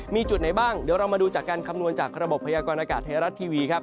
มีจุดไหนบ้างเดี๋ยวเรามาดูจากการคำนวณจากระบบพยากรณากาศไทยรัฐทีวีครับ